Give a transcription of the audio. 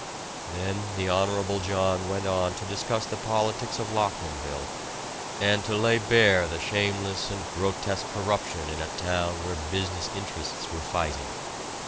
Then the Honorable John went on to discuss the politics of Lockmanville, and to lay bare the shameless and grotesque corruption in a town where business interests were fighting.